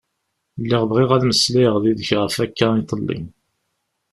Lliɣ bɣiɣ ad meslayeɣ yid-k ɣef akka iḍelli.